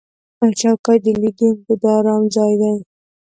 چوکۍ د لیدونکو د آرام ځای دی.